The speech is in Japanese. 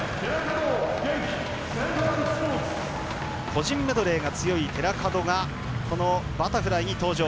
個人メドレーが強い寺門がこのバタフライに登場。